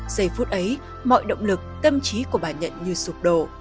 giây phút ấy mọi động lực tâm trí của bà nhận như sụp đổ